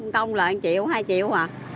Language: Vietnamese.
công lợi một triệu hai triệu à